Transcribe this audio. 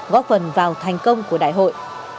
góp phần vào thành công của đại hội